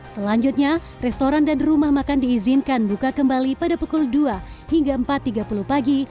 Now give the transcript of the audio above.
selanjutnya restoran dan rumah makan diizinkan buka kembali pada pukul dua hingga empat tiga puluh pagi